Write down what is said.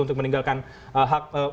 untuk meninggalkan hak